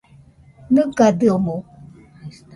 ¿Nɨgadɨomoɨ?